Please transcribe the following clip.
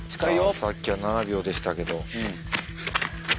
さっきは７秒でしたけど。